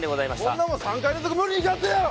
こんなもん３回連続無理に決まってるやろ！